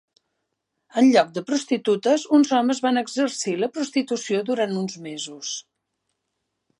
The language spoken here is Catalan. En lloc de prostitutes, uns homes van exercir la prostitució durant uns mesos.